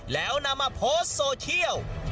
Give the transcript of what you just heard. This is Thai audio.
แล้วนำมาโพสต์โซเชียล